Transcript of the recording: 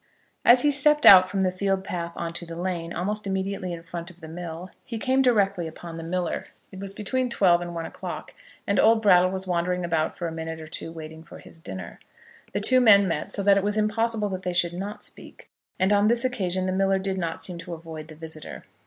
As he stepped out from the field path on to the lane, almost immediately in front of the mill, he came directly upon the miller. It was between twelve and one o'clock, and old Brattle was wandering about for a minute or two waiting for his dinner. The two men met so that it was impossible that they should not speak; and on this occasion the miller did not seem to avoid his visitor.